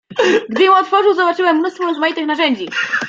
"Gdy ją otworzył, zobaczyłem mnóstwo rozmaitych narzędzi."